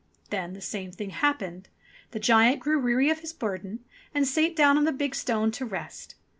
Then the same thing happened. The giant grew weary of his burden, and sate down on the big stone to rest.